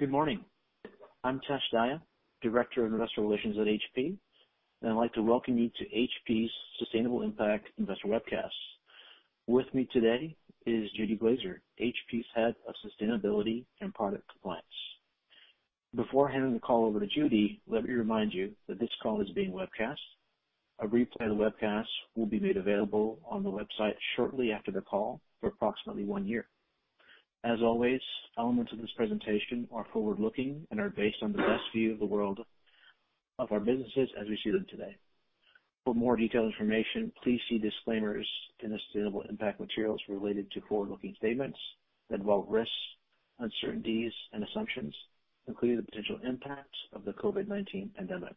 Good morning. I'm Tesh Dahya, Director of Investor Relations at HP. I'd like to welcome you to HP's Sustainable Impact Investor Webcast. With me today is Judy Glazer, HP's Head of Sustainability and Product Compliance. Before handing the call over to Judy, let me remind you that this call is being webcast. A replay of the webcast will be made available on the website shortly after the call for approximately one year. As always, elements of this presentation are forward-looking and are based on the best view of the world of our businesses as we see them today. For more detailed information, please see disclaimers in sustainable impact materials related to forward-looking statements that involve risks, uncertainties, and assumptions, including the potential impacts of the COVID-19 pandemic.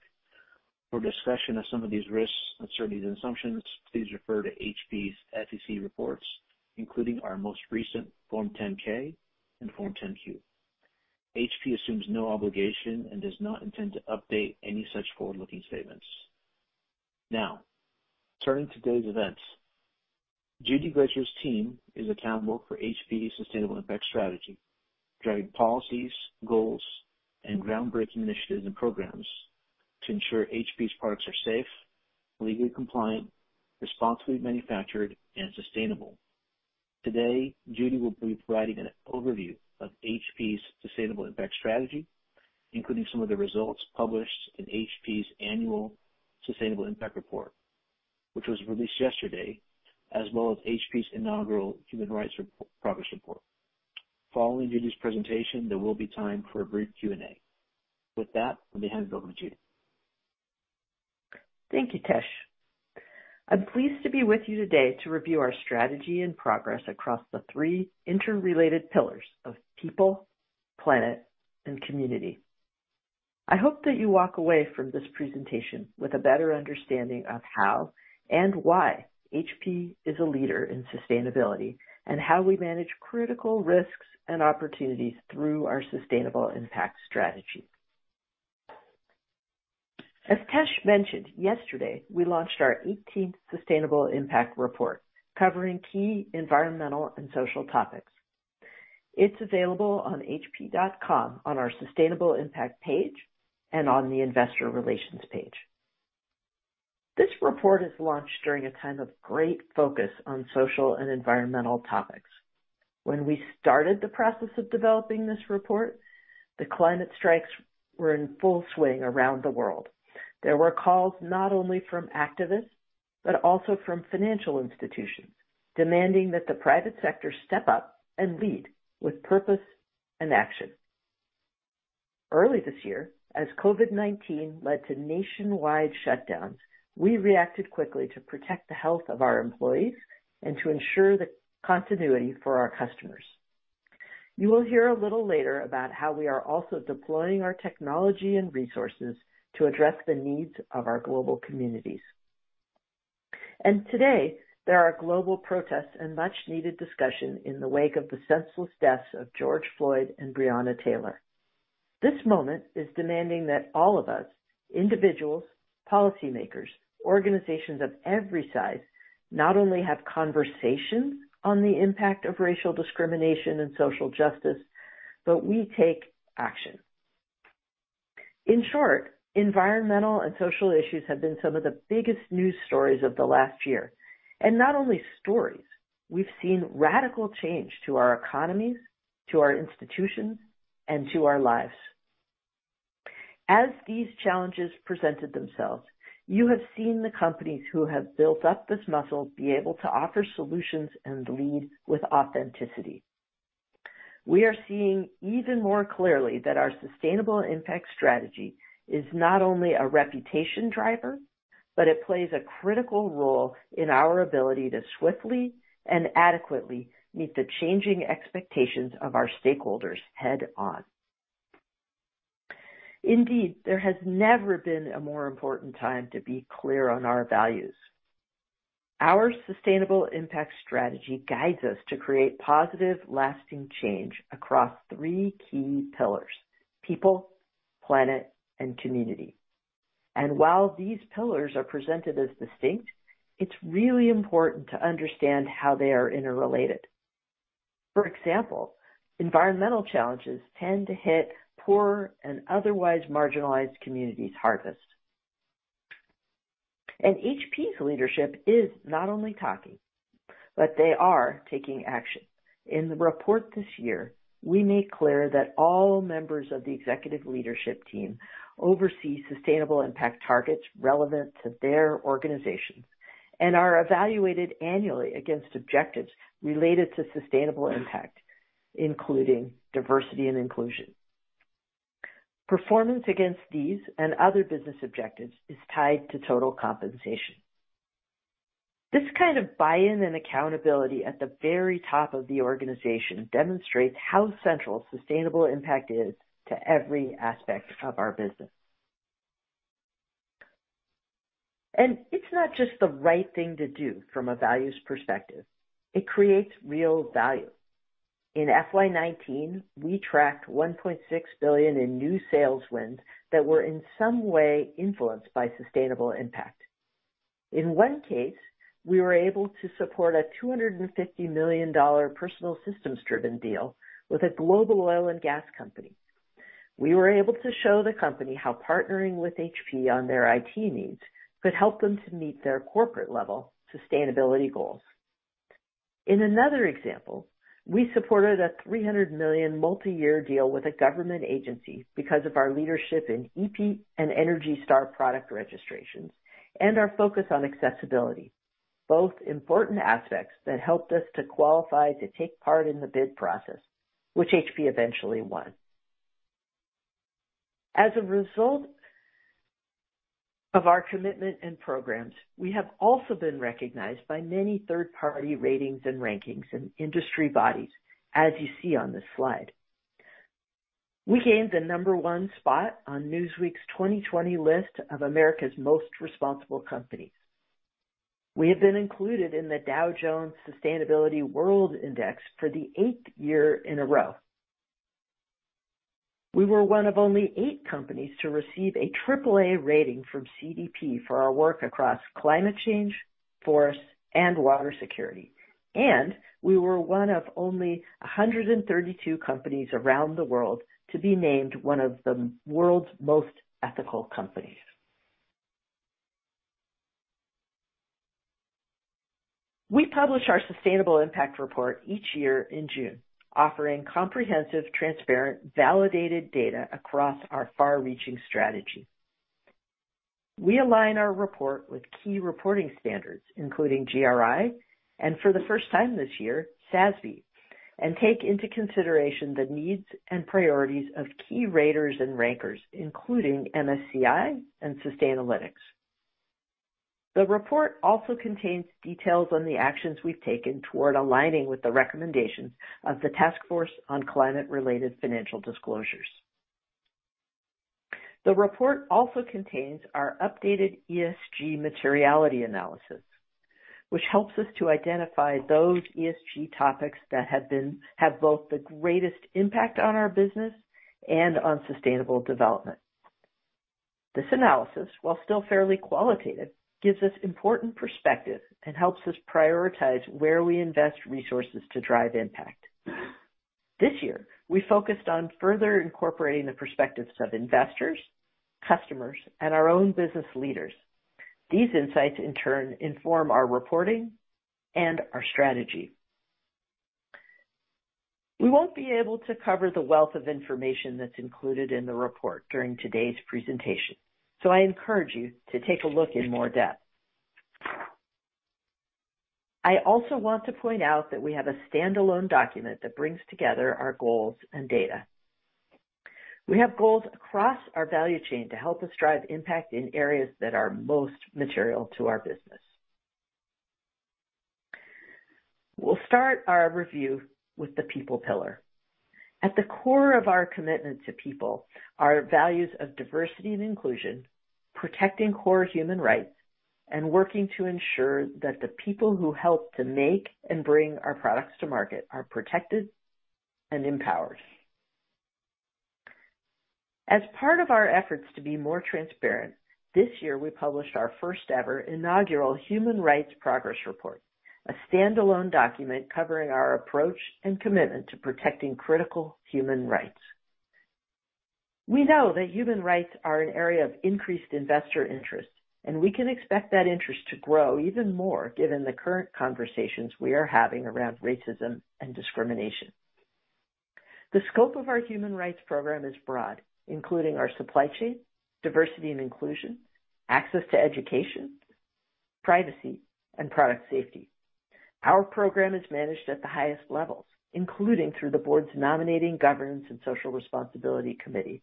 For a discussion of some of these risks, uncertainties, and assumptions, please refer to HP's SEC reports, including our most recent Form 10-K and Form 10-Q. HP assumes no obligation and does not intend to update any such forward-looking statements. Turning to today's events. Judy Glazer's team is accountable for HP's sustainable impact strategy, driving policies, goals, and groundbreaking initiatives and programs to ensure HP's products are safe, legally compliant, responsibly manufactured, and sustainable. Today, Judy will be providing an overview of HP's sustainable impact strategy, including some of the results published in HP's annual Sustainable Impact Report, which was released yesterday, as well as HP's inaugural Human Rights Progress Report. Following Judy's presentation, there will be time for a brief Q&A. Let me hand it over to Judy. Thank you, Tesh. I'm pleased to be with you today to review our strategy and progress across the three interrelated pillars of people, planet, and community. I hope that you walk away from this presentation with a better understanding of how and why HP is a leader in sustainability, and how we manage critical risks and opportunities through our Sustainable Impact strategy. As Tesh mentioned, yesterday, we launched our 18th Sustainable Impact Report covering key environmental and social topics. It's available on hp.com on our Sustainable Impact page and on the Investor Relations page. This report is launched during a time of great focus on social and environmental topics. When we started the process of developing this report, the climate strikes were in full swing around the world. There were calls not only from activists, but also from financial institutions demanding that the private sector step up and lead with purpose and action. Early this year, as COVID-19 led to nationwide shutdowns, we reacted quickly to protect the health of our employees and to ensure the continuity for our customers. You will hear a little later about how we are also deploying our technology and resources to address the needs of our global communities. Today, there are global protests and much needed discussion in the wake of the senseless deaths of George Floyd and Breonna Taylor. This moment is demanding that all of us, individuals, policymakers, organizations of every size, not only have conversations on the impact of racial discrimination and social justice, but we take action. In short, environmental and social issues have been some of the biggest news stories of the last year. Not only stories, we've seen radical change to our economies, to our institutions, and to our lives. As these challenges presented themselves, you have seen the companies who have built up this muscle be able to offer solutions and lead with authenticity. We are seeing even more clearly that our Sustainable Impact strategy is not only a reputation driver, but it plays a critical role in our ability to swiftly and adequately meet the changing expectations of our stakeholders head-on. Indeed, there has never been a more important time to be clear on our values. Our Sustainable Impact strategy guides us to create positive, lasting change across three key pillars, people, planet, and community. While these pillars are presented as distinct, it's really important to understand how they are interrelated. For example, environmental challenges tend to hit poor and otherwise marginalized communities hardest. HP's leadership is not only talking, but they are taking action. In the report this year, we made clear that all members of the executive leadership team oversee sustainable impact targets relevant to their organizations and are evaluated annually against objectives related to sustainable impact, including diversity and inclusion. Performance against these and other business objectives is tied to total compensation. This kind of buy-in and accountability at the very top of the organization demonstrates how central sustainable impact is to every aspect of our business. It's not just the right thing to do from a values perspective. It creates real value. In FY 2019, we tracked $1.6 billion in new sales wins that were in some way influenced by sustainable impact. In one case, we were able to support a $250 million personal systems-driven deal with a global oil and gas company. We were able to show the company how partnering with HP on their IT needs could help them to meet their corporate level sustainability goals. In another example, we supported a $300 million multi-year deal with a government agency because of our leadership in EPEAT and ENERGY STAR product registrations and our focus on accessibility, both important aspects that helped us to qualify to take part in the bid process, which HP eventually won. As a result of our commitment and programs, we have also been recognized by many third-party ratings and rankings and industry bodies, as you see on this slide. We gained the number one spot on Newsweek's 2020 list of America's Most Responsible Companies. We have been included in The Dow Jones Sustainability World Index for the eighth year in a row. We were one of only eight companies to receive a AAA rating from CDP for our work across climate change, forest, and water security, and we were one of only 132 companies around the world to be named one of the world's most ethical companies. We publish our Sustainable Impact Report each year in June, offering comprehensive, transparent, validated data across our far-reaching strategy. We align our report with key reporting standards, including GRI, and for the first time this year, SASB, and take into consideration the needs and priorities of key raters and rankers, including MSCI and Sustainalytics. The report also contains details on the actions we've taken toward aligning with the recommendations of the Task Force on Climate-related Financial Disclosures. The report also contains our updated ESG materiality analysis, which helps us to identify those ESG topics that have both the greatest impact on our business and on sustainable development. This analysis, while still fairly qualitative, gives us important perspective and helps us prioritize where we invest resources to drive impact. This year, we focused on further incorporating the perspectives of investors, customers, and our own business leaders. These insights, in turn, inform our reporting and our strategy. We won't be able to cover the wealth of information that's included in the report during today's presentation, so I encourage you to take a look in more depth. I also want to point out that we have a standalone document that brings together our goals and data. We have goals across our value chain to help us drive impact in areas that are most material to our business. We'll start our review with the people pillar. At the core of our commitment to people are values of diversity and inclusion, protecting core human rights, and working to ensure that the people who help to make and bring our products to market are protected and empowered. As part of our efforts to be more transparent, this year we published our first ever inaugural Human Rights Progress Report, a standalone document covering our approach and commitment to protecting critical human rights. We know that human rights are an area of increased investor interest. We can expect that interest to grow even more given the current conversations we are having around racism and discrimination. The scope of our human rights program is broad, including our supply chain, diversity and inclusion, access to education, privacy, and product safety. Our program is managed at the highest levels, including through the board's nominating governance and social responsibility committee,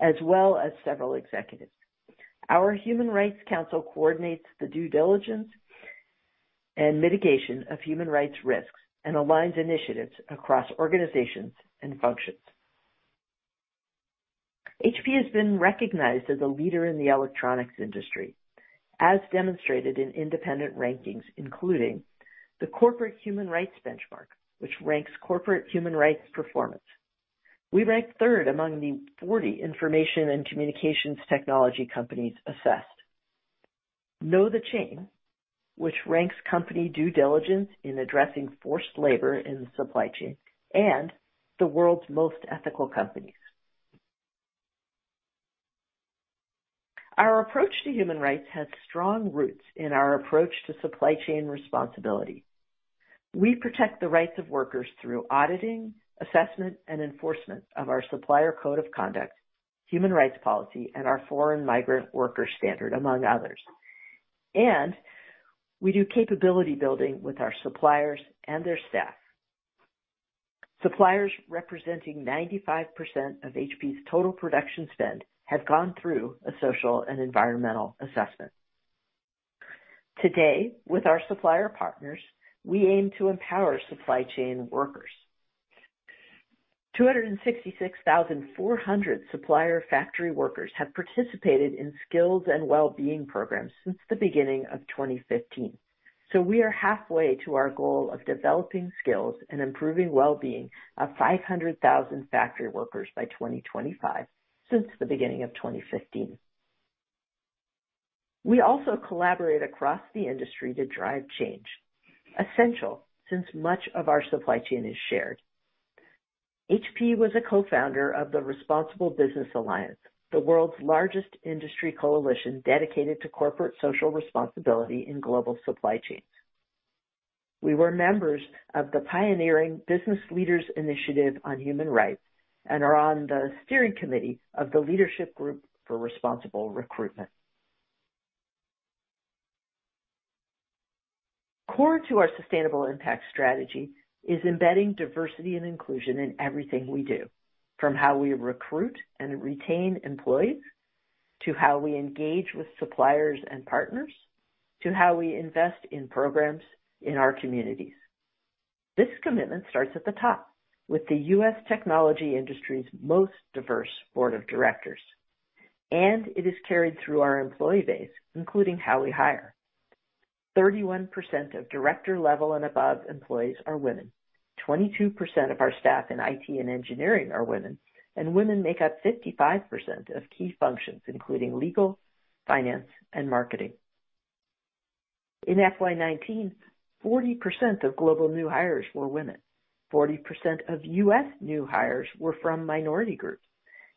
as well as several executives. Our Human Rights Council coordinates the due diligence and mitigation of human rights risks and aligns initiatives across organizations and functions. HP has been recognized as a leader in the electronics industry, as demonstrated in independent rankings, including the Corporate Human Rights Benchmark, which ranks corporate human rights performance, KnowTheChain, which ranks company due diligence in addressing forced labor in the supply chain, and the World's Most Ethical Companies. We ranked third among the 40 information and communications technology companies assessed. Our approach to human rights has strong roots in our approach to supply chain responsibility. We protect the rights of workers through auditing, assessment, and enforcement of our Supplier Code of Conduct, Human Rights Policy, and our Foreign Migrant Worker Standard, among others. We do capability building with our suppliers and their staff. Suppliers representing 95% of HP's total production spend have gone through a social and environmental assessment. Today, with our supplier partners, we aim to empower supply chain workers. 266,400 supplier factory workers have participated in skills and wellbeing programs since the beginning of 2015. We are halfway to our goal of developing skills and improving wellbeing of 500,000 factory workers by 2025 since the beginning of 2015. We also collaborate across the industry to drive change. Essential, since much of our supply chain is shared. HP was a co-founder of the Responsible Business Alliance, the world's largest industry coalition dedicated to corporate social responsibility in global supply chains. We were members of the pioneering Business Leaders Initiative on Human Rights, and are on the steering committee of the Leadership Group for Responsible Recruitment. Core to our sustainable impact strategy is embedding diversity and inclusion in everything we do, from how we recruit and retain employees, to how we engage with suppliers and partners, to how we invest in programs in our communities. This commitment starts at the top, with the U.S. technology industry's most diverse board of directors, and it is carried through our employee base, including how we hire. 31% of director level and above employees are women, 22% of our staff in IT and engineering are women, and women make up 55% of key functions, including legal, finance, and marketing. In FY '19, 40% of global new hires were women, 40% of U.S. new hires were from minority groups,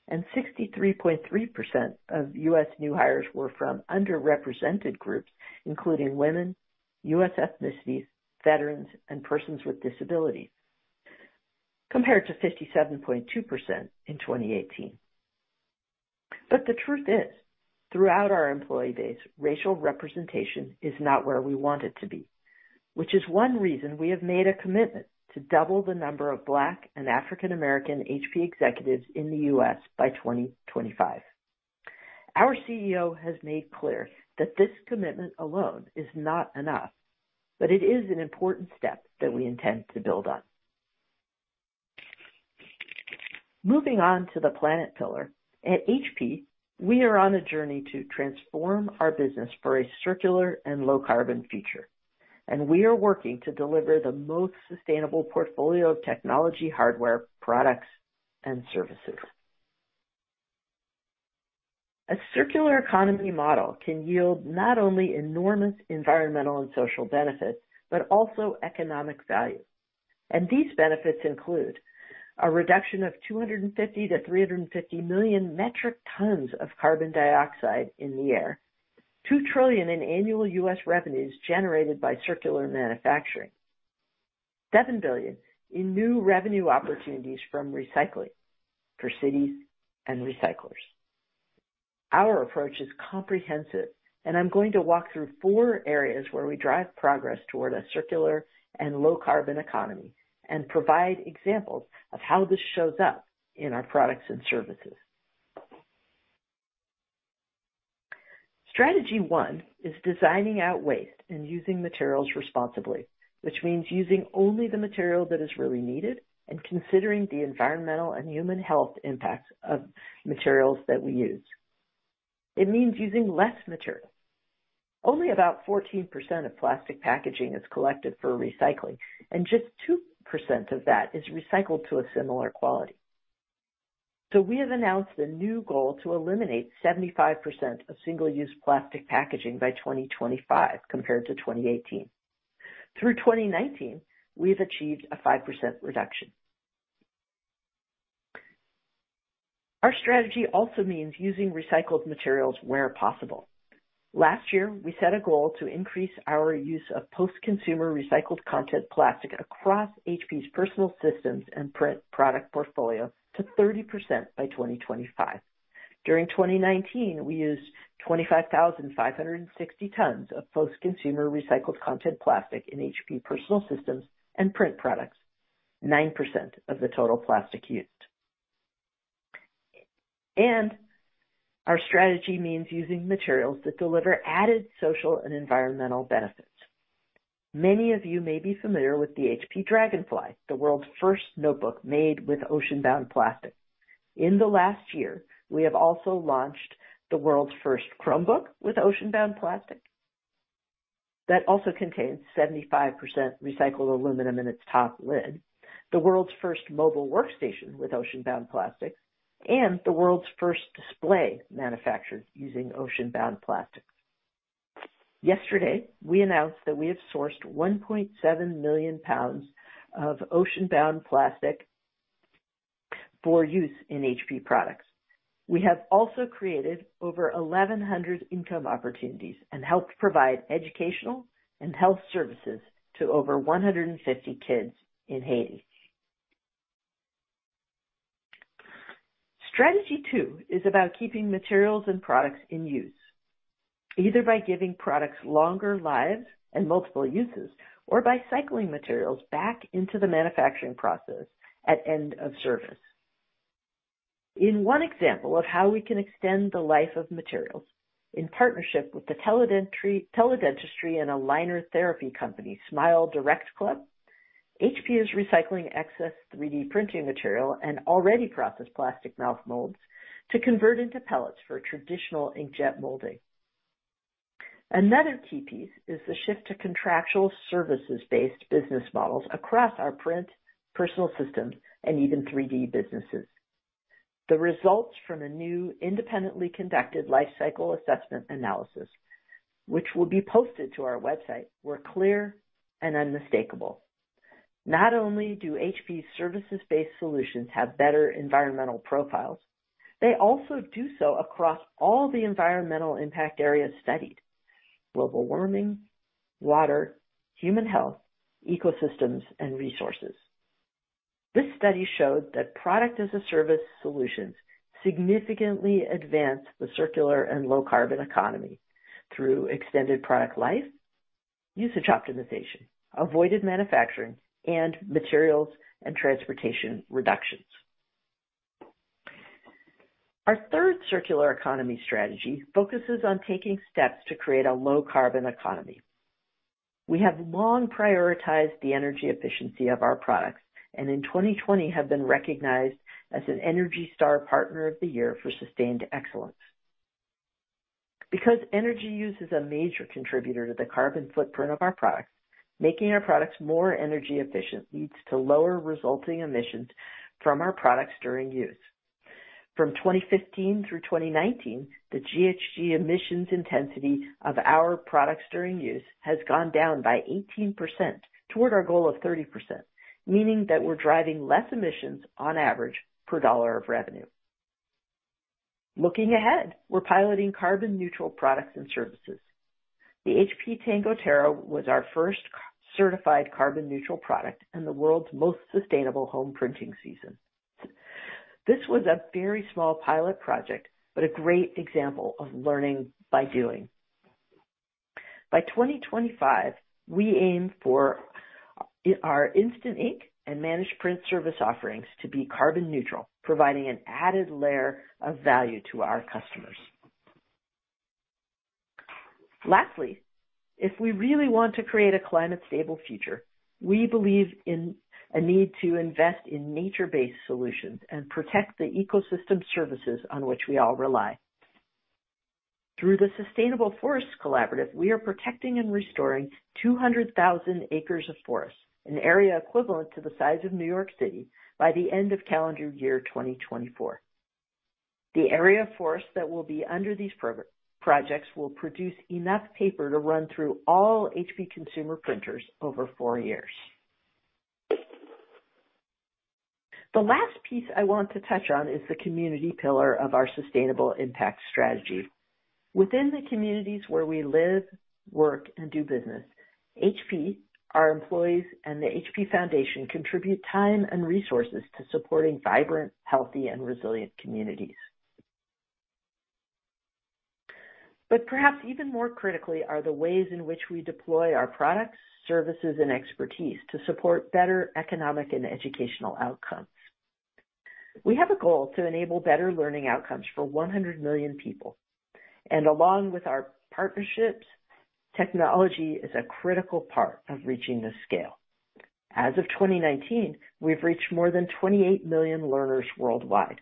and 63.3% of U.S. new hires were from underrepresented groups, including women, U.S. ethnicities, veterans, and persons with disabilities, compared to 57.2% in 2018. The truth is, throughout our employee base, racial representation is not where we want it to be, which is one reason we have made a commitment to double the number of Black and African American HP executives in the U.S. by 2025. Our CEO has made clear that this commitment alone is not enough, but it is an important step that we intend to build on. Moving on to the planet pillar. At HP, we are on a journey to transform our business for a circular and low carbon future, and we are working to deliver the most sustainable portfolio of technology hardware products and services. A circular economy model can yield not only enormous environmental and social benefits, but also economic value. These benefits include a reduction of 250 million metric tons-350 million metric tons of carbon dioxide in the air, $2 trillion in annual U.S. revenues generated by circular manufacturing, $7 billion in new revenue opportunities from recycling for cities and recyclers. Our approach is comprehensive. I'm going to walk through four areas where we drive progress toward a circular and low carbon economy and provide examples of how this shows up in our products and services. Strategy 1 is designing out waste and using materials responsibly, which means using only the material that is really needed and considering the environmental and human health impacts of materials that we use. It means using less material. Only about 14% of plastic packaging is collected for recycling, and just 2% of that is recycled to a similar quality. We have announced a new goal to eliminate 75% of single-use plastic packaging by 2025 compared to 2018. Through 2019, we've achieved a 5% reduction. Our strategy also means using recycled materials where possible. Last year, we set a goal to increase our use of post-consumer recycled content plastic across HP's personal systems and print product portfolio to 30% by 2025. During 2019, we used 25,560 tons of post-consumer recycled content plastic in HP personal systems and print products, 9% of the total plastic used. Our strategy means using materials that deliver added social and environmental benefits. Many of you may be familiar with the HP Dragonfly, the world's first notebook made with ocean-bound plastic. In the last year, we have also launched the world's first Chromebook with ocean-bound plastic, that also contains 75% recycled aluminum in its top lid, the world's first mobile workstation with ocean-bound plastic, and the world's first display manufactured using ocean-bound plastic. Yesterday, we announced that we have sourced 1.7 million pounds of ocean-bound plastic for use in HP products. We have also created over 1,100 income opportunities and helped provide educational and health services to over 150 kids in Haiti. Strategy two is about keeping materials and products in use, either by giving products longer lives and multiple uses, or by cycling materials back into the manufacturing process at end of service. In one example of how we can extend the life of materials, in partnership with the teledentistry and aligner therapy company SmileDirectClub, HP is recycling excess 3D printing material and already processed plastic mouth molds to convert into pellets for traditional inkjet molding. Another key piece is the shift to contractual services-based business models across our print, personal systems, and even 3D businesses. The results from a new independently conducted lifecycle assessment analysis, which will be posted to our website, were clear and unmistakable. Not only do HP's services-based solutions have better environmental profiles, they also do so across all the environmental impact areas studied: global warming, water, human health, ecosystems, and resources. This study showed that product-as-a-service solutions significantly advance the circular and low-carbon economy through extended product life, usage optimization, avoided manufacturing, and materials and transportation reductions. Our third circular economy strategy focuses on taking steps to create a low-carbon economy. We have long prioritized the energy efficiency of our products, and in 2020 have been recognized as an ENERGY STAR partner of the year for sustained excellence. Because energy use is a major contributor to the carbon footprint of our products, making our products more energy efficient leads to lower resulting emissions from our products during use. From 2015 through 2019, the GHG emissions intensity of our products during use has gone down by 18%, toward our goal of 30%, meaning that we're driving less emissions on average, per dollar of revenue. Looking ahead, we're piloting carbon neutral products and services. The HP Tango Terra was our first certified carbon neutral product and the world's most sustainable home printing system. This was a very small pilot project, a great example of learning by doing. By 2025, we aim for our Instant Ink and managed print service offerings to be carbon neutral, providing an added layer of value to our customers. Lastly, if we really want to create a climate-stable future, we believe in a need to invest in nature-based solutions and protect the ecosystem services on which we all rely. Through the Sustainable Forests Collaborative, we are protecting and restoring 200,000 acres of forest, an area equivalent to the size of New York City, by the end of calendar year 2024. The area of forest that will be under these projects will produce enough paper to run through all HP consumer printers over four years. The last piece I want to touch on is the community pillar of our Sustainable Impact strategy. Within the communities where we live, work, and do business, HP, our employees, and the HP Foundation contribute time and resources to supporting vibrant, healthy, and resilient communities. Perhaps even more critically are the ways in which we deploy our products, services, and expertise to support better economic and educational outcomes. We have a goal to enable better learning outcomes for 100 million people. Along with our partnerships, technology is a critical part of reaching this scale. As of 2019, we've reached more than 28 million learners worldwide.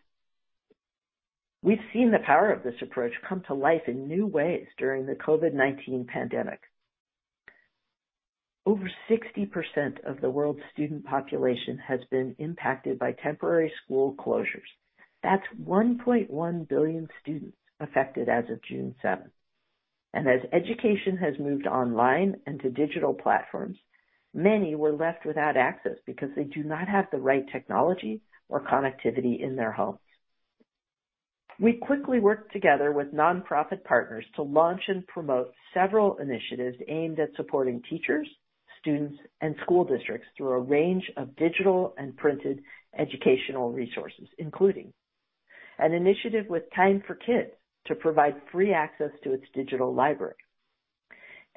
We've seen the power of this approach come to life in new ways during the COVID-19 pandemic. Over 60% of the world's student population has been impacted by temporary school closures. That's 1.1 billion students affected as of June 7th. As education has moved online and to digital platforms, many were left without access because they do not have the right technology or connectivity in their homes. We quickly worked together with nonprofit partners to launch and promote several initiatives aimed at supporting teachers, students, and school districts through a range of digital and printed educational resources, including an initiative with TIME for Kids to provide free access to its digital library,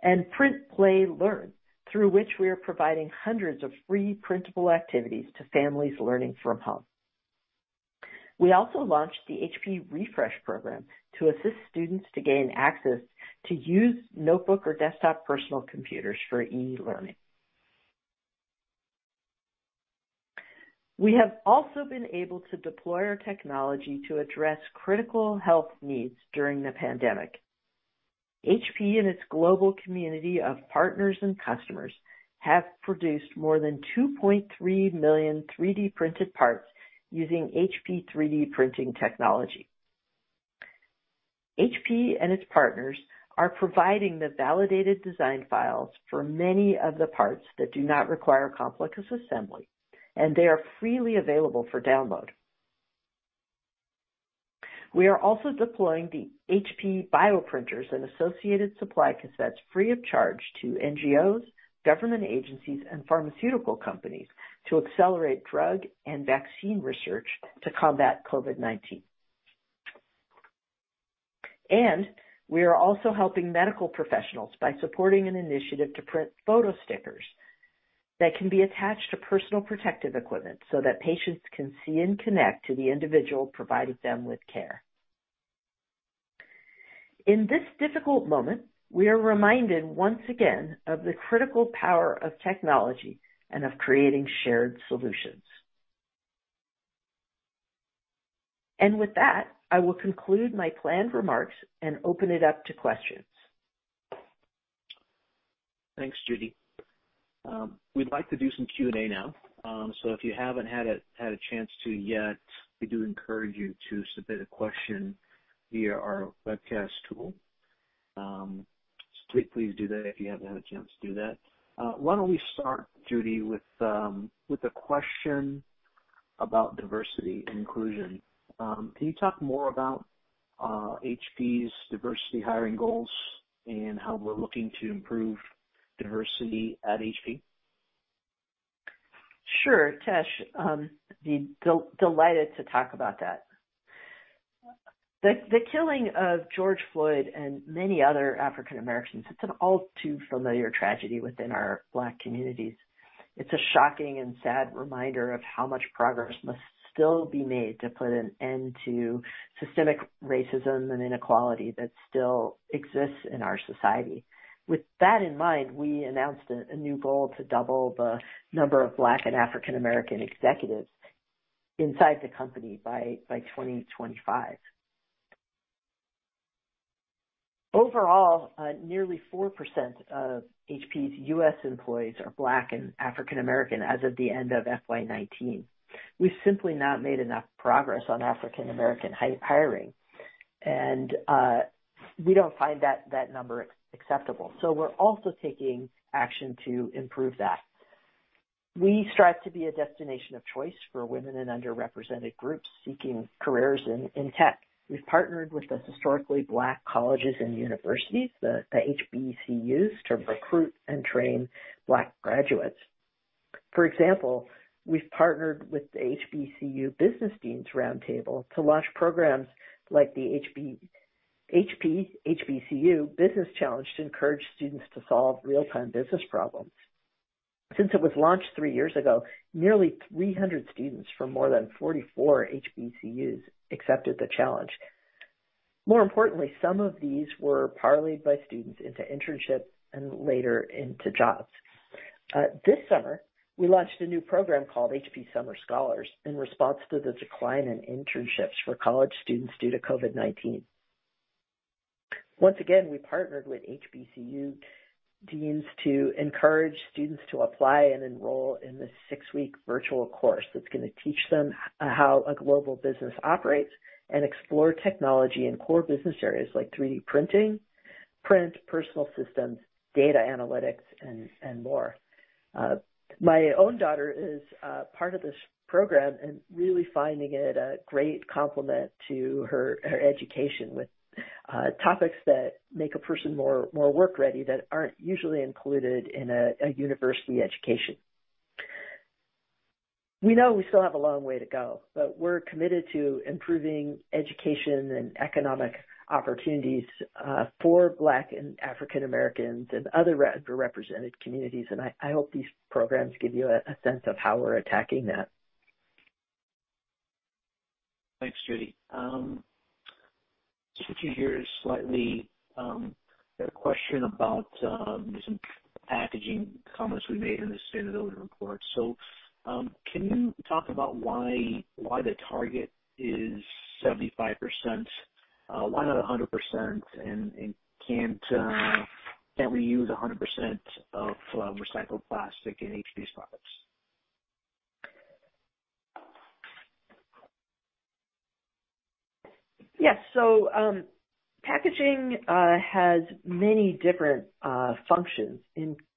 and Print, Play & Learn, through which we are providing hundreds of free printable activities to families learning from home. We also launched the HP Refresh Program to assist students to gain access to used notebook or desktop personal computers for e-learning. We have also been able to deploy our technology to address critical health needs during the pandemic. HP and its global community of partners and customers have produced more than 2.3 million 3D-printed parts using HP 3D printing technology. HP and its partners are providing the validated design files for many of the parts that do not require complex assembly, and they are freely available for download. We are also deploying the HP BioPrinters and associated supply cassettes free of charge to NGOs, government agencies, and pharmaceutical companies to accelerate drug and vaccine research to combat COVID-19. We are also helping medical professionals by supporting an initiative to print photo stickers that can be attached to personal protective equipment so that patients can see and connect to the individual providing them with care. In this difficult moment, we are reminded once again of the critical power of technology and of creating shared solutions. With that, I will conclude my planned remarks and open it up to questions. Thanks, Judy. We'd like to do some Q&A now. If you haven't had a chance to yet, we do encourage you to submit a question via our webcast tool. Please do that if you haven't had a chance to do that. Why don't we start, Judy, with a question about diversity inclusion. Can you talk more about HP's diversity hiring goals and how we're looking to improve diversity at HP? Sure, Tesh. Be delighted to talk about that. The killing of George Floyd and many other African Americans, it's an all too familiar tragedy within our Black communities. It's a shocking and sad reminder of how much progress must still be made to put an end to systemic racism and inequality that still exists in our society. With that in mind, we announced a new goal to double the number of Black and African American executives inside the company by 2025. Overall, nearly 4% of HP's U.S. employees are Black and African American as of the end of FY '19. We've simply not made enough progress on African American hiring. We don't find that number acceptable. We're also taking action to improve that. We strive to be a destination of choice for women and underrepresented groups seeking careers in tech. We've partnered with the historically Black colleges and universities, the HBCUs, to recruit and train Black graduates. For example, we've partnered with the HBCU Business Deans Roundtable to launch programs like the HP HBCU Business Challenge to encourage students to solve real-time business problems. Since it was launched three years ago, nearly 300 students from more than 44 HBCUs accepted the challenge. More importantly, some of these were parlayed by students into internships and later into jobs. This summer, we launched a new program called HP Summer Scholars in response to the decline in internships for college students due to COVID-19. Once again, we partnered with HBCU deans to encourage students to apply and enroll in this six-week virtual course that's going to teach them how a global business operates and explore technology in core business areas like 3D printing, print, personal systems, data analytics, and more. My own daughter is part of this program and really finding it a great complement to her education, with topics that make a person more work ready that aren't usually included in a university education. We know we still have a long way to go, but we're committed to improving education and economic opportunities for Black and African Americans and other underrepresented communities, and I hope these programs give you a sense of how we're attacking that. Thanks, Judy. Just a few here, a question about some packaging comments we made in the Sustainable Impact Report. Can you talk about why the target is 75%? Why not 100%? Can't we use 100% of recycled plastic in HP's products? Yes. Packaging has many different functions,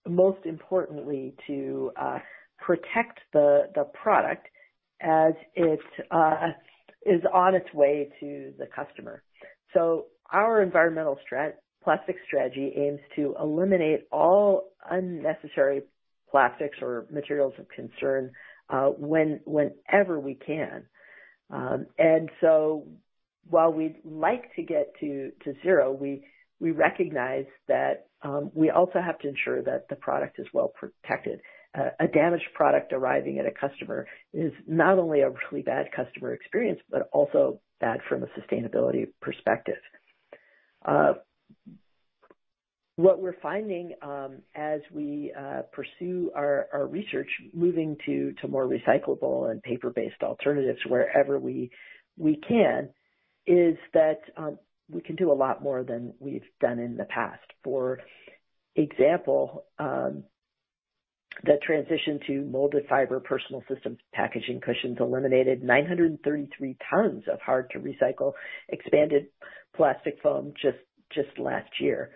most importantly, to protect the product as it is on its way to the customer. Our environmental plastic strategy aims to eliminate all unnecessary plastics or materials of concern whenever we can. While we'd like to get to zero, we recognize that we also have to ensure that the product is well protected. A damaged product arriving at a customer is not only a really bad customer experience, but also bad from a sustainability perspective. What we're finding as we pursue our research, moving to more recyclable and paper-based alternatives wherever we can, is that we can do a lot more than we've done in the past. For example, the transition to molded fiber personal systems packaging cushions eliminated 933 tons of hard-to-recycle expanded plastic foam just last year.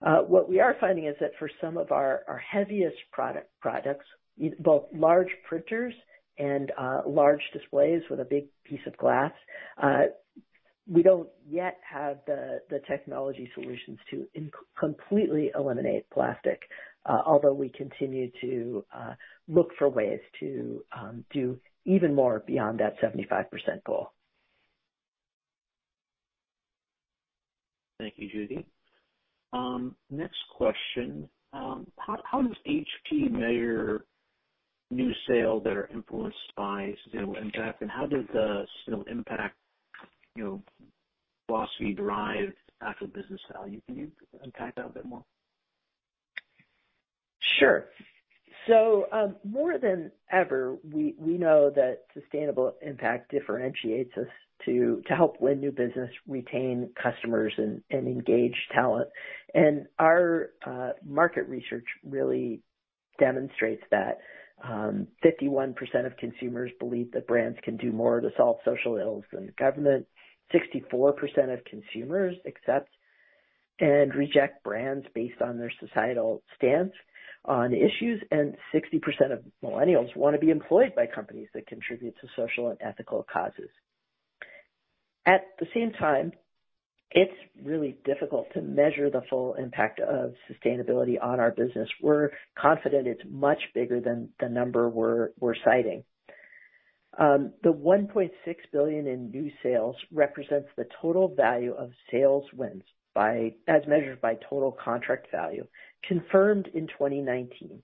What we are finding is that for some of our heaviest products, both large printers and large displays with a big piece of glass, we don't yet have the technology solutions to completely eliminate plastic, although we continue to look for ways to do even more beyond that 75% goal. Thank you, Judy. Next question. How does HP measure new sales that are influenced by sustainable impact, and how does the sustainable impact philosophy derive actual business value? Can you unpack that a bit more? Sure. More than ever, we know that sustainable impact differentiates us to help win new business, retain customers, and engage talent. Our market research really demonstrates that 51% of consumers believe that brands can do more to solve social ills than government. 64% of consumers accept and reject brands based on their societal stance on issues, and 60% of millennials want to be employed by companies that contribute to social and ethical causes. At the same time, it's really difficult to measure the full impact of sustainability on our business. We're confident it's much bigger than the number we're citing. The $1.6 billion in new sales represents the total value of sales wins as measured by total contract value confirmed in 2019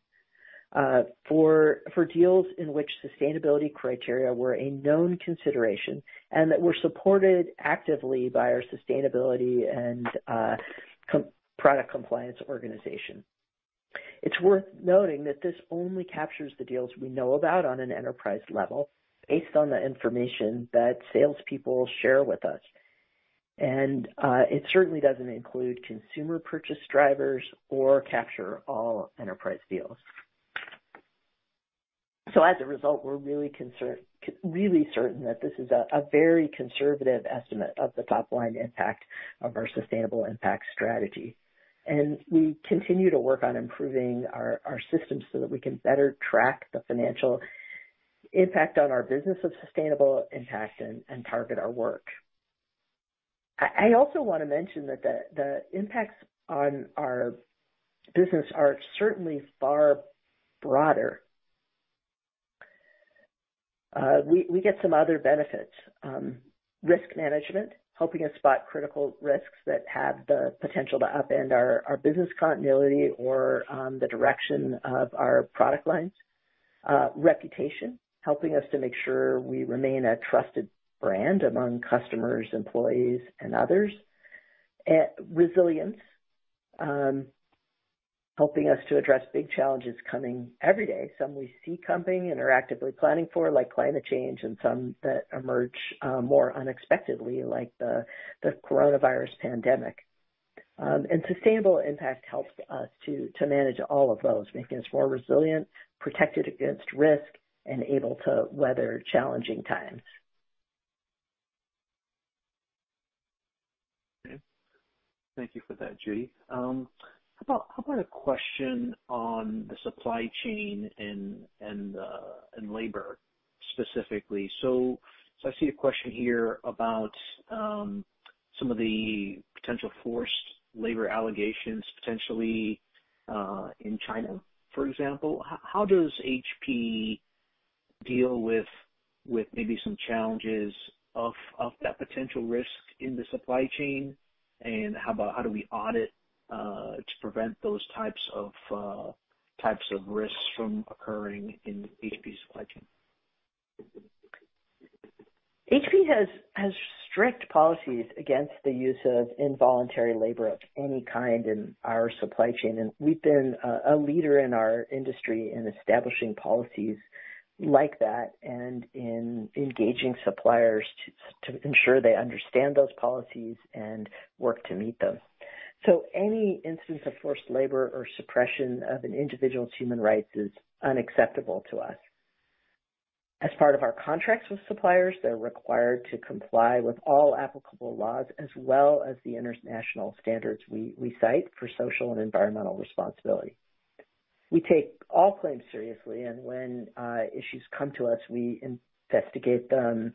for deals in which sustainability criteria were a known consideration and that were supported actively by our sustainability and product compliance organization. It's worth noting that this only captures the deals we know about on an enterprise level based on the information that salespeople share with us. It certainly doesn't include consumer purchase drivers or capture all enterprise deals. As a result, we're really certain that this is a very conservative estimate of the top-line impact of our sustainable impact strategy. We continue to work on improving our systems so that we can better track the financial impact on our business of sustainable impact and target our work. I also want to mention that the impacts on our business are certainly far broader. We get some other benefits. Risk management, helping us spot critical risks that have the potential to upend our business continuity or the direction of our product lines. Reputation, helping us to make sure we remain a trusted brand among customers, employees, and others. Resilience, helping us to address big challenges coming every day. Some we see coming and are actively planning for, like climate change, and some that emerge more unexpectedly, like the coronavirus pandemic. Sustainable impact helps us to manage all of those, making us more resilient, protected against risk, and able to weather challenging times. Okay. Thank you for that, Judy. How about a question on the supply chain and labor specifically? I see a question here about some of the potential forced labor allegations, potentially in China, for example. How does HP deal with maybe some challenges of that potential risk in the supply chain? How do we audit to prevent those types of risks from occurring in HP's supply chain? HP has strict policies against the use of involuntary labor of any kind in our supply chain, and we've been a leader in our industry in establishing policies like that and in engaging suppliers to ensure they understand those policies and work to meet them. Any instance of forced labor or suppression of an individual's human rights is unacceptable to us. As part of our contracts with suppliers, they're required to comply with all applicable laws as well as the international standards we cite for social and environmental responsibility. We take all claims seriously, and when issues come to us, we investigate them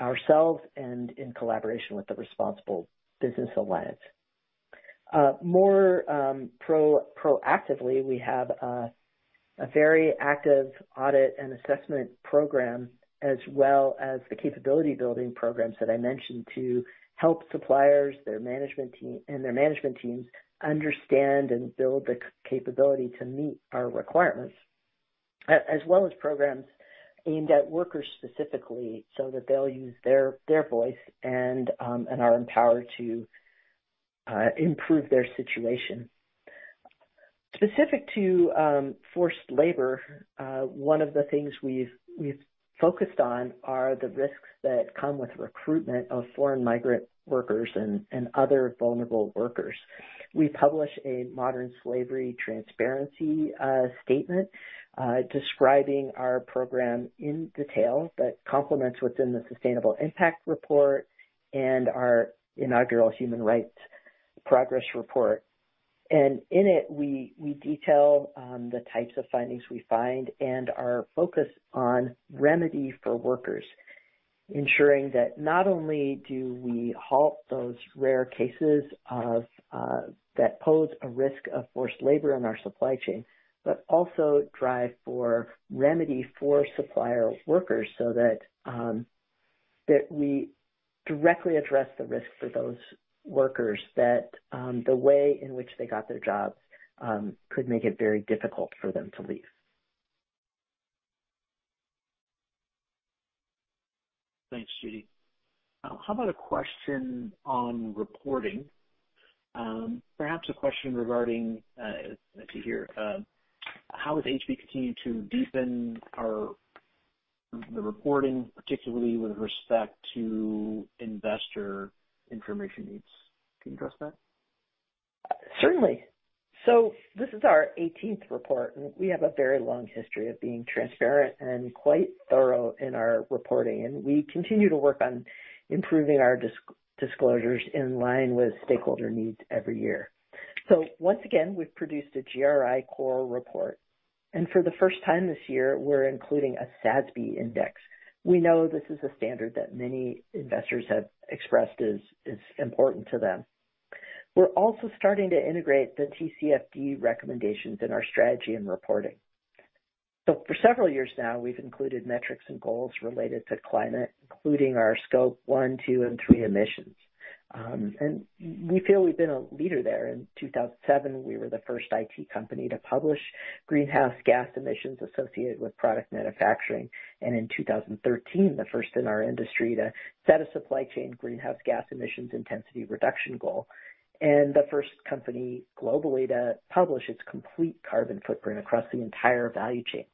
ourselves and in collaboration with the Responsible Business Alliance. More proactively, we have a very active audit and assessment program, as well as the capability-building programs that I mentioned to help suppliers and their management teams understand and build the capability to meet our requirements, as well as programs aimed at workers specifically so that they'll use their voice and are empowered to improve their situation. Specific to forced labor, one of the things we've focused on are the risks that come with recruitment of foreign migrant workers and other vulnerable workers. We publish a modern slavery transparency statement describing our program in detail that complements what's in the Sustainable Impact Report and our inaugural Human Rights Progress Report. In it, we detail the types of findings we find and our focus on remedy for workers, ensuring that not only do we halt those rare cases that pose a risk of forced labor in our supply chain, but also drive for remedy for supplier workers so that we directly address the risk for those workers, that the way in which they got their jobs could make it very difficult for them to leave. Thanks, Judy. How about a question on reporting? Perhaps a question regarding, let's see here, how has HP continued to deepen the reporting, particularly with respect to investor information needs? Can you address that? Certainly. This is our 18th report, and we have a very long history of being transparent and quite thorough in our reporting, and we continue to work on improving our disclosures in line with stakeholder needs every year. Once again, we've produced a GRI core report, and for the first time this year, we're including a SASB index. We know this is a standard that many investors have expressed is important to them. We're also starting to integrate the TCFD recommendations in our strategy and reporting. For several years now, we've included metrics and goals related to climate, including our Scope 1, 2, and 3 emissions. We feel we've been a leader there. In 2007, we were the first IT company to publish greenhouse gas emissions associated with product manufacturing, and in 2013, the first in our industry to set a supply chain greenhouse gas emissions intensity reduction goal, and the first company globally to publish its complete carbon footprint across the entire value chain.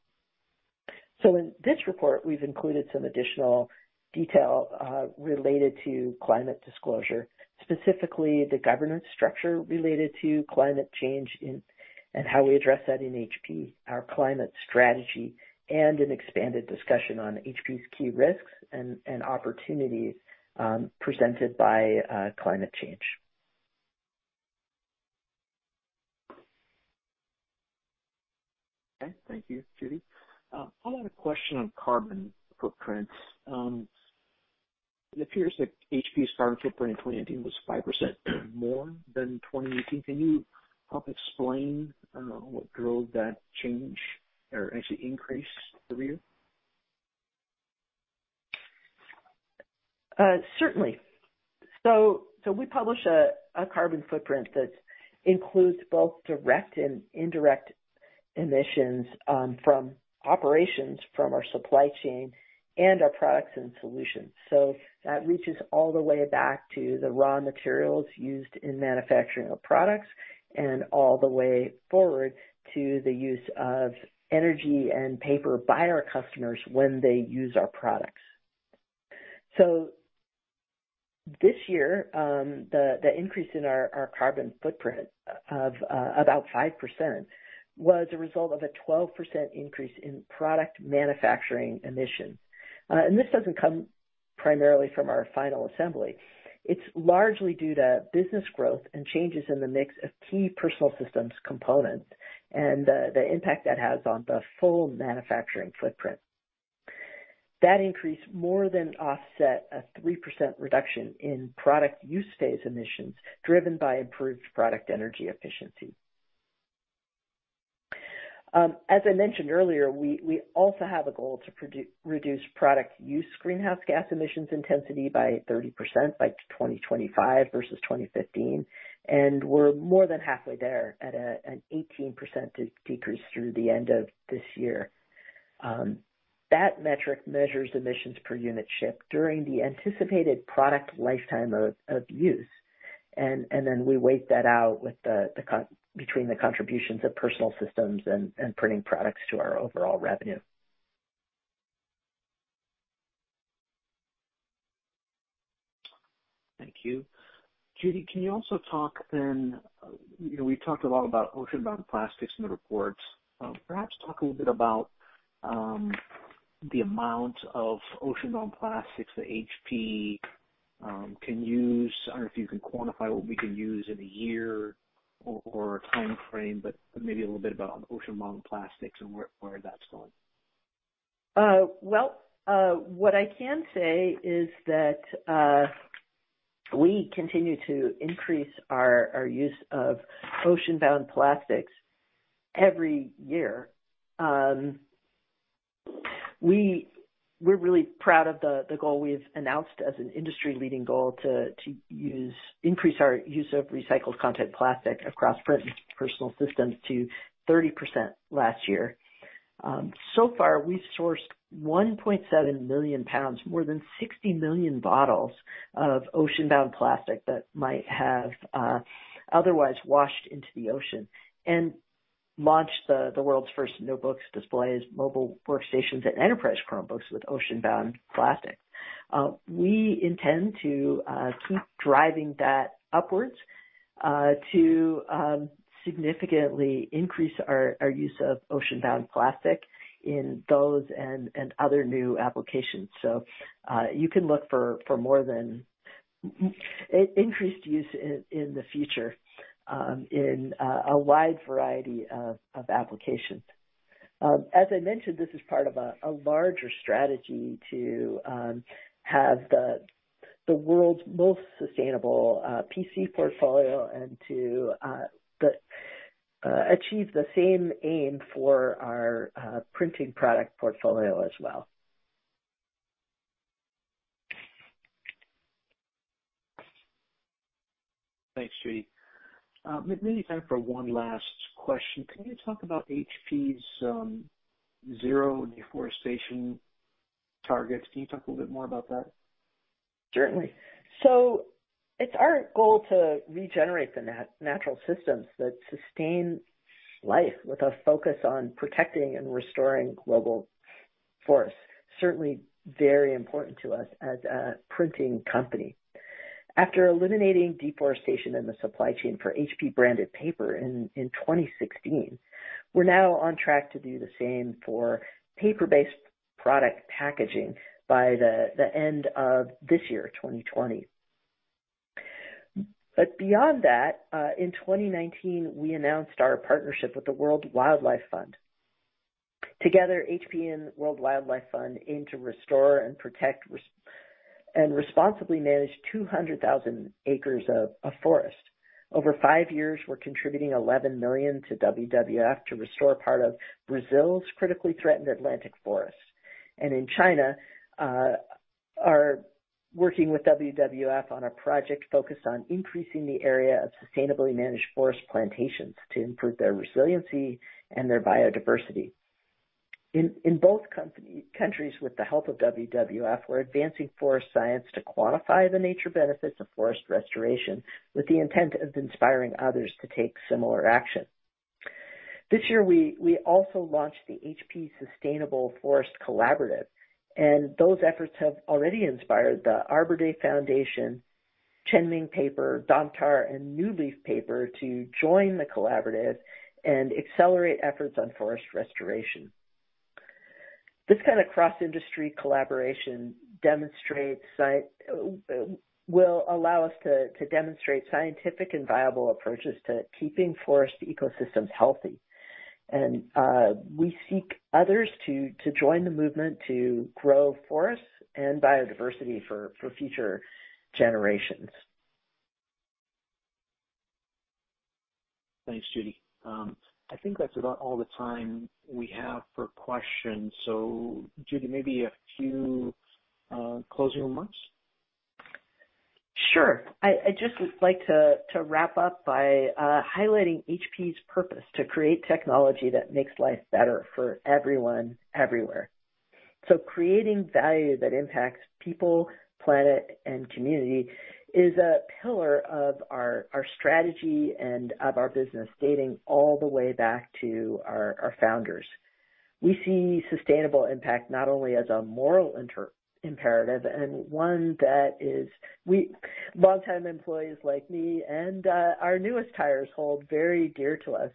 In this report, we've included some additional detail, related to climate disclosure, specifically the governance structure related to climate change and how we address that in HP, our climate strategy, and an expanded discussion on HP's key risks and opportunities presented by climate change. Okay. Thank you, Judy. How about a question on carbon footprints? It appears that HP's carbon footprint in 2019 was 5% more than 2018. Can you help explain what drove that change or actually increase for you? Certainly. We publish a carbon footprint that includes both direct and indirect emissions from operations from our supply chain and our products and solutions. That reaches all the way back to the raw materials used in manufacturing of products and all the way forward to the use of energy and paper by our customers when they use our products. This year, the increase in our carbon footprint of about 5% was a result of a 12% increase in product manufacturing emissions. This doesn't come primarily from our final assembly. It's largely due to business growth and changes in the mix of key personal systems components and the impact that has on the full manufacturing footprint. That increase more than offset a 3% reduction in product use-phase emissions driven by improved product energy efficiency. As I mentioned earlier, we also have a goal to reduce product use greenhouse gas emissions intensity by 30% by 2025 versus 2015, and we're more than halfway there at an 18% decrease through the end of this year. That metric measures emissions per unit shipped during the anticipated product lifetime of use. We weigh that out between the contributions of personal systems and printing products to our overall revenue. Thank you. Judy, can you also talk then, we've talked a lot about ocean-bound plastics in the reports. Perhaps talk a little bit about the amount of ocean-bound plastics that HP can use. I don't know if you can quantify what we can use in a year or a time frame, but maybe a little bit about ocean-bound plastics and where that's going. Well, what I can say is that we continue to increase our use of ocean-bound plastics every year. We're really proud of the goal we've announced as an industry-leading goal to increase our use of recycled content plastic across Print and Personal Systems to 30% last year. Far, we've sourced 1.7 million pounds, more than 60 million bottles of ocean-bound plastic that might have otherwise washed into the ocean and launched the world's first notebooks, displays, mobile workstations, and Enterprise Chromebooks with ocean-bound plastic. We intend to keep driving that upwards, to significantly increase our use of ocean-bound plastic in those and other new applications. You can look for more than increased use in the future, in a wide variety of applications. As I mentioned, this is part of a larger strategy to have the world's most sustainable PC portfolio and to achieve the same aim for our printing product portfolio as well. Thanks, Judy. Maybe time for one last question. Can you talk about HP's zero deforestation targets? Can you talk a little bit more about that? Certainly. It's our goal to regenerate the natural systems that sustain life with a focus on protecting and restoring global forests. Very important to us as a printing company. After eliminating deforestation in the supply chain for HP-branded paper in 2016, we're now on track to do the same for paper-based product packaging by the end of this year, 2020. Beyond that, in 2019, we announced our partnership with the World Wildlife Fund. Together, HP and World Wildlife Fund aim to restore and protect and responsibly manage 200,000 acres of forest. Over five years, we're contributing $11 million to WWF to restore part of Brazil's critically threatened Atlantic Forest. In China, we are working with WWF on a project focused on increasing the area of sustainably managed forest plantations to improve their resiliency and their biodiversity. In both countries, with the help of WWF, we're advancing forest science to quantify the nature benefits of forest restoration with the intent of inspiring others to take similar action. This year, we also launched the HP Sustainable Forest Collaborative. Those efforts have already inspired the Arbor Day Foundation, Chenming Paper, Domtar, and New Leaf Paper to join the collaborative and accelerate efforts on forest restoration. This kind of cross-industry collaboration will allow us to demonstrate scientific and viable approaches to keeping forest ecosystems healthy. We seek others to join the movement to grow forests and biodiversity for future generations. Thanks, Judy. I think that's about all the time we have for questions. Judy, maybe a few closing remarks? Sure. I just would like to wrap up by highlighting HP's purpose to create technology that makes life better for everyone, everywhere. Creating value that impacts people, planet, and community is a pillar of our strategy and of our business, dating all the way back to our founders. We see sustainable impact not only as a moral imperative and one that long-time employees like me and our newest hires hold very dear to us.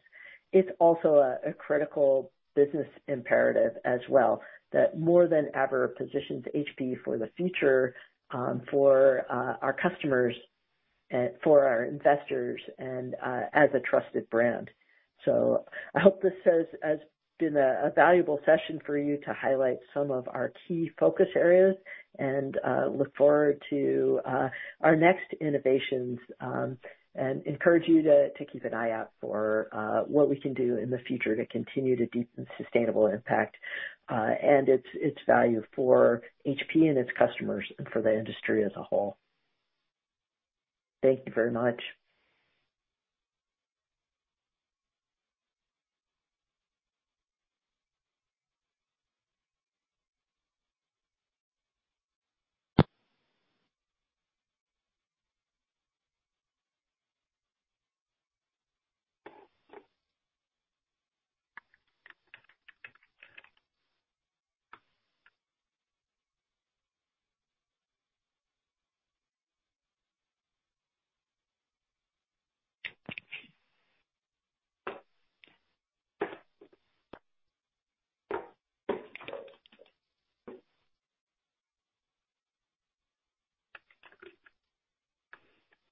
It's also a critical business imperative as well, that more than ever positions HP for the future, for our customers, and for our investors, and as a trusted brand. I hope this has been a valuable session for you to highlight some of our key focus areas, and look forward to our next innovations, and encourage you to keep an eye out for what we can do in the future to continue to deepen sustainable impact, and its value for HP and its customers and for the industry as a whole. Thank you very much.